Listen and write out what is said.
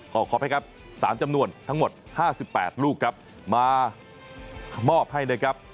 ขอขอไปครับ๓จำนวนทั้งหมด๕๘ลูกครับมามอบให้นะครับ